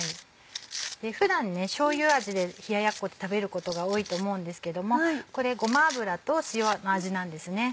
普段しょうゆ味で冷ややっこって食べることが多いと思うんですけどもこれごま油と塩の味なんですね。